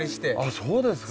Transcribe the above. そうですか。